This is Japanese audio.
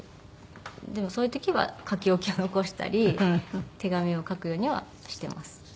でもそういう時は書き置きを残したり手紙を書くようにはしてます。